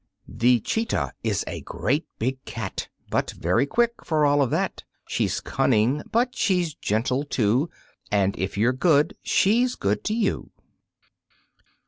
The chetah is a great big cat But very quick, for all of that, She's cunning but she's gentle, too, And if you're good she's good to you.